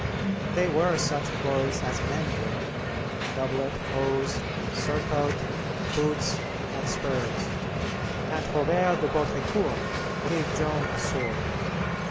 They were such clothes as men wear doublet, hose, surcoat, boots, and spurs and Robert de Baudricourt gave Joan a sword.